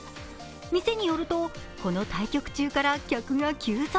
店によるとこの対局中から客が急増。